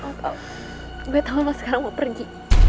gue tau lo sekarang mau pergi